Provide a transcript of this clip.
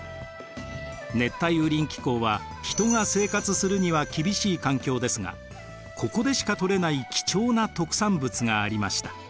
熱帯雨林気候は人が生活するには厳しい環境ですがここでしか採れない貴重な特産物がありました。